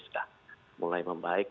sudah mulai membaik